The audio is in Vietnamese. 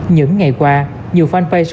những ngày qua nhiều fanpage